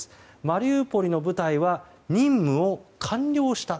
マリウポリの部隊は任務を完了した。